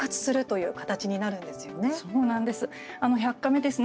そうなんです。